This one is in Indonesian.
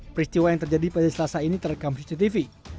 peristiwa yang terjadi pada selasa ini terekam cctv